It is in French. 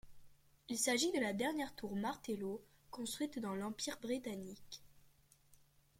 Il s'agit de la dernière tour Martello construite dans l'empire britannique.